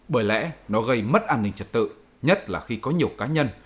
bởi lẽ nó gây mất an ninh trật tự nhất là khi có nhiều cá nhân